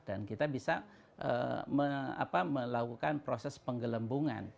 dan kita bisa melakukan proses penggelembungan